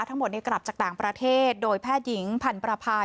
ทั้งหมดเนี้ยกลับจากต่างประเทศโดยแพทยิงผันประภาย